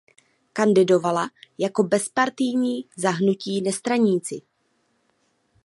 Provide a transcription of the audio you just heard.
Kandidovala jako bezpartijní za hnutí Nestraníci.